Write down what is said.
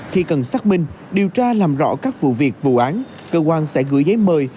khi cần xác minh điều tra làm rõ các vụ việc vụ án cơ quan sẽ gửi giấy mời